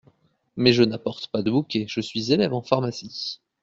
Mais je n’apporte pas de bouquet, je suis élève en pharmacie…